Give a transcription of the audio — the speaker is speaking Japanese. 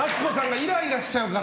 イライラしちゃうから。